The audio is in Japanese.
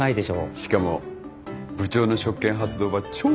しかも部長の職権発動は超レアだし。